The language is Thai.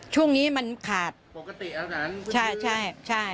ช่วงนี้มันขาดปกติอาหารใช่ใช่